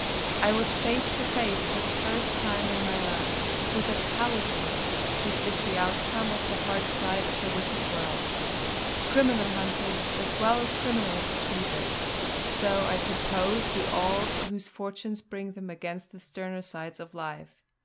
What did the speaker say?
I was face to face, for the first time in my life, with that callousness which is the outcome of the hard side of the wicked world. Criminal hunters, as well as criminals, achieve it; so I suppose do all whose fortunes bring them against the sterner sides of life.